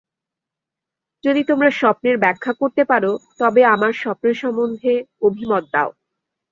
যদি তোমরা স্বপ্নের ব্যাখ্যা করতে পার তবে আমার স্বপ্ন সম্বন্ধে অভিমত দাও।